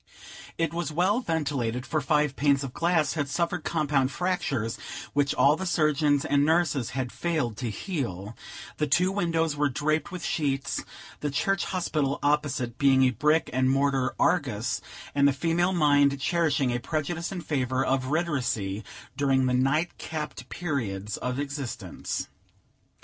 It was well ventilated, for five panes of glass had suffered compound fractures, which all the surgeons and nurses had failed to heal; the two windows were draped with sheets, the church hospital opposite being a brick and mortar Argus, and the female mind cherishing a prejudice in favor of retiracy during the night capped periods of existence.